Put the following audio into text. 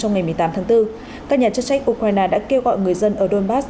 trong ngày một mươi tám tháng bốn các nhà chức trách ukraine đã kêu gọi người dân ở donbass